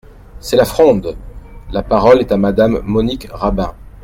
C’est la fronde ! La parole est à Madame Monique Rabin.